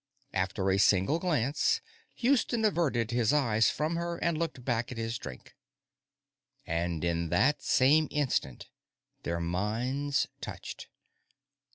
After a single glance, Houston averted his eyes from her and looked back at his drink. And in that same instant, their minds touched.